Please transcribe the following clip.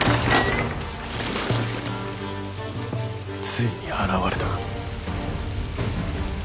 ついに現れたか。